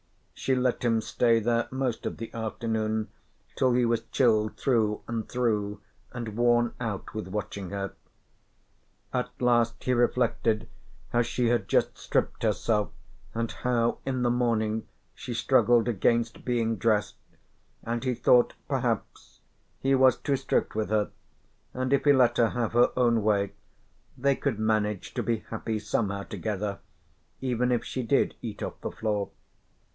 She let him stay there most of the afternoon till he was chilled through and through and worn out with watching her. At last he reflected how she had just stripped herself and how in the morning she struggled against being dressed, and he thought perhaps he was too strict with her and if he let her have her own way they could manage to be happy somehow together even if she did eat off the floor.